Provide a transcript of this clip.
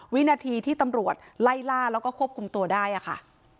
วินาทีที่ตำรวจไล่ล่าแล้วก็ควบคุมตัวได้ค่ะ